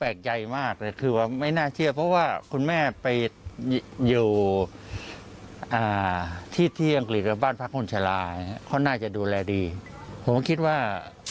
ใจมากเลยคือว่าไม่น่าเชื่อเพราะว่าคุณแม่ไปอยู่ที่ที่อังกฤษกับบ้านพักคนชะลาเขาน่าจะดูแลดีผมก็คิดว่า